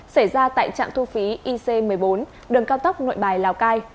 xảy ra tại trạm thu phí ic một mươi bốn đường cao tốc nội bài lào cai